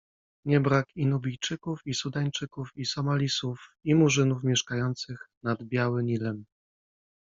Nie brak i Nubijczyków, i Sudańczyków, i Somalisów, i Murzynów mieszkających nad Biały Nilem.